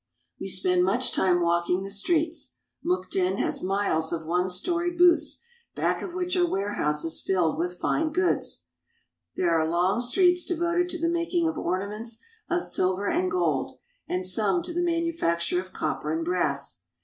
We spend much time walking the streets. Mukden has miles of one story booths, back of which are warehouses filled with fine goods. There are long streets devoted to the making of ornaments of silver and gold, and some to the manufacture of copper and brass.